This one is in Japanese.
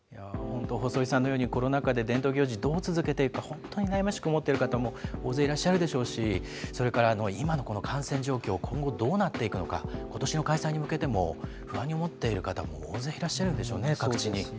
本当、細井さんのようにコロナ禍で伝統行事、どう続けていくか、本当に悩ましく思っている方も大勢いらっしゃるでしょうし、それから今のこの感染状況、今後どうなっていくのか、ことしの開催に向けても、不安に思ってる方も大勢いらっしゃるんでしょうね、各地に。